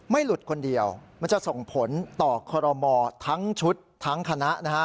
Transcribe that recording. หลุดคนเดียวมันจะส่งผลต่อคอรมอทั้งชุดทั้งคณะนะฮะ